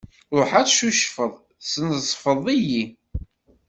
Ruḥ ad tcucfeḍ, tesnezfeḍ-iyi.